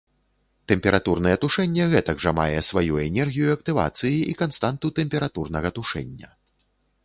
Тэмпературнае тушэнне гэтак жа мае сваю энергію актывацыі і канстанту тэмпературнага тушэння.